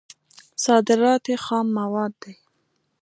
صادرات یې خام مواد دي.